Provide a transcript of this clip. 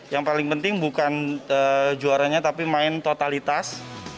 yang paling penting bukan juaranya tapi main totalitas